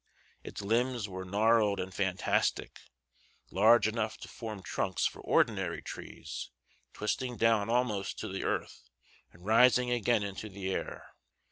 Its limbs were gnarled and fantastic, large enough to form trunks for ordinary trees, twisting down almost to the earth and rising again into the air.